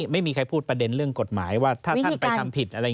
ไม่มีใครพูดประเด็นเรื่องกฎหมายว่าถ้าท่านไปทำผิดอะไร